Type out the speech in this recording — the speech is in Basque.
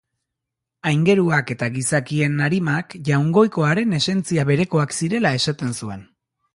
Aingeruak eta gizakien arimak Jaungoikoaren esentzia berekoak zirela esaten zuen.